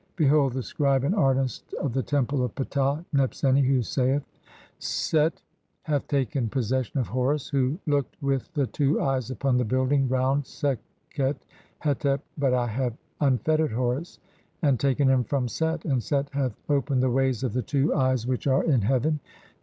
Behold the scribe and artist of the Temple of Ptah, Nebseni, who (4) saith :— "Set hath taken possession of Horus, who looked with the "two eyes upon the building (?) round Sekhet hetep, but I have "unfettered Horus [and taken him from] Set, and Set hath "opened the ways of the two eyes [which are] in heaven.